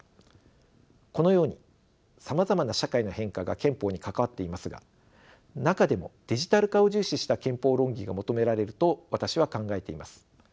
このようにさまざまな社会の変化が憲法に関わっていますが中でもデジタル化を重視した憲法論議が求められると私は考えています。